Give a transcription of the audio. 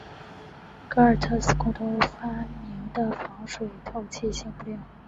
戈尔特斯共同发明的防水透气性布料。